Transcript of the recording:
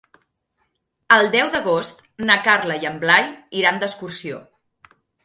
El deu d'agost na Carla i en Blai iran d'excursió.